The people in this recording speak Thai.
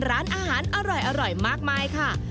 ร้านอาหารอร่อยมากมายค่ะ